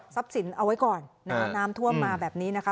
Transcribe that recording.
สินเอาไว้ก่อนน้ำท่วมมาแบบนี้นะคะ